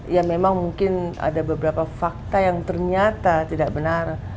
ya memang mungkin ada beberapa fakta yang ternyata tidak benar